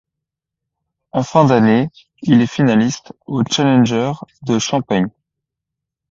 En fin d'année, il est finaliste au Challenger de Champaign.